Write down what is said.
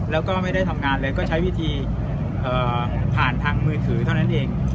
แล้วก็ไม่ได้ทำงานเลยก็ใช้วิธีผ่านทางมือถือเท่านั้นเอง